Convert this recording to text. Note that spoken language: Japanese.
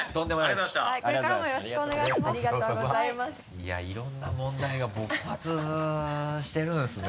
いやいろんな問題が勃発してるんですね。